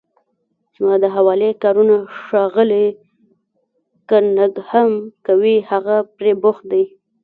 زما د حوالې کارونه ښاغلی کننګهم کوي، هغه پرې بوخت دی.